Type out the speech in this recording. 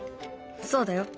そうだよ。